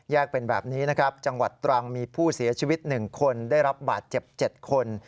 เป็นแบบนี้นะครับจังหวัดตรังมีผู้เสียชีวิต๑คนได้รับบาดเจ็บ๗คน